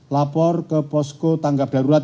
lapor ke posko tangga berdarurat